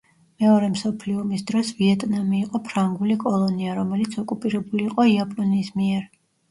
მეორე მსოფლიო ომის დროს ვიეტნამი იყო ფრანგული კოლონია, რომელიც ოკუპირებული იყო იაპონიის მიერ.